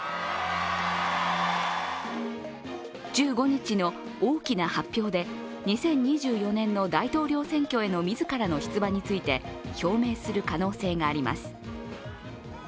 １５日の大きな発表で２０２４年の大統領選挙への自らの出馬について表明する可能性があります。